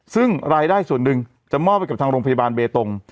ซึ่งรายได้ส่วนหนึ่งจะมอบไปกับทางโรงพยาบาลเบตง